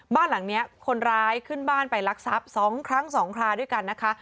บ้านหลังนี้คนร้ายขึ้นบ้านไปรักทรัพย์๒ครั้ง๒คราด้วยกันนะคะ